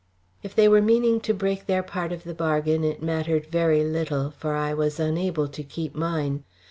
If they were meaning to break their part of the bargain it mattered very little, for I was unable to keep mine.